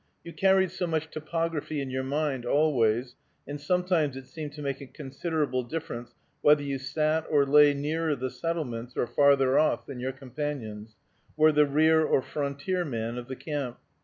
You carried so much topography in your mind always, and sometimes it seemed to make a considerable difference whether you sat or lay nearer the settlements, or farther off, than your companions, were the rear or frontier man of the camp.